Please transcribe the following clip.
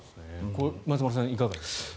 松丸さん、いかがですか？